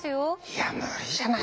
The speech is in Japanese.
いや無理じゃないかな。